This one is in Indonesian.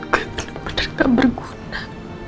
gue bener bener gak berguna